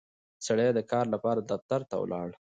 سړی د کار لپاره دفتر ته ولاړ